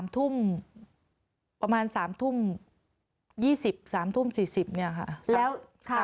๓ทุ่มประมาณ๓ทุ่ม๒๐น๓ทุ่ม๔๐น